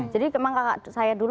jadi memang kakak saya dulu